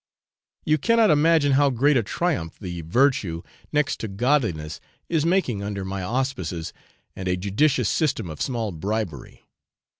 You cannot imagine how great a triumph the virtue next to godliness is making under my auspices and a judicious system of small bribery.